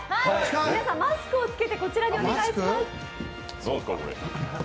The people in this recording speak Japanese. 皆さん、マスクを着けてこちらにお願いします。